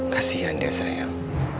kasian dia sayang